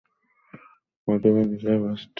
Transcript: মধুবনী জেলা পাঁচটি মহকুমায় বিভক্ত।